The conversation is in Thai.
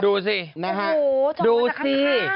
ดูสิโอ้โหดูสิ